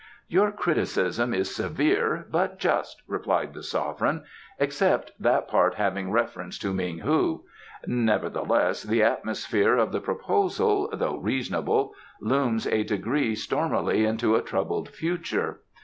"Your criticism is severe but just," replied the Sovereign, "except that part having reference to Meng hu. Nevertheless, the atmosphere of the proposal, though reasonable, looms a degree stormily into a troubled future.